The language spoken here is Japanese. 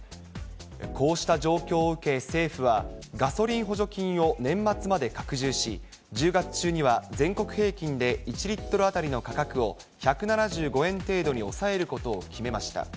こうした状況を受け、政府は、ガソリン補助金を年末まで拡充し、１０月中には全国平均で１リットル当たりの価格を、１７５円程度に抑えることを決めました。